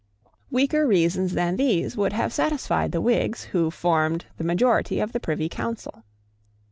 Weaker reasons than these would have satisfied the Whigs who formed the majority of the Privy Council.